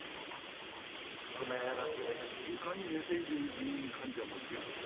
床に寝ている入院患者もいるんです。